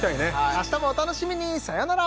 明日もお楽しみにさよなら！